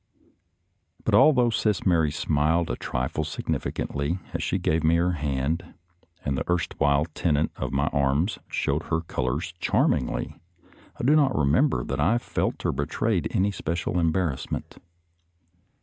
But although Sis Mary smiled a trifle significantly as she gave me her hand and the erstwhile tenant of my arms showed her colors charmingly, I do not remember that I felt or betrayed any special embarrassment.